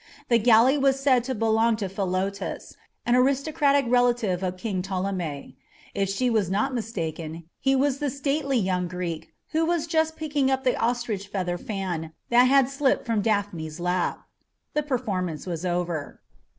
The galley was said to belong to Philotas, an aristocratic relative of King Ptolemy. If she was not mistaken, he was the stately young Greek who was just picking up the ostrich feather fan that had slipped from Daphne's lap. The performance was over.